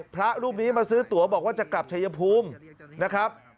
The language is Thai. พระรูปนี้มาซื้อตัวบอกว่าจะกลับชายภูมินะครับ